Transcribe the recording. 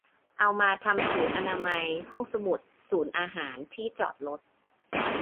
เอามาทำศูนย์อนามัย ห้องสมุด ศูนย์อาหาร ที่จอดรถ